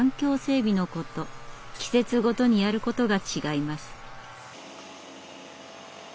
季節ごとにやることが違います。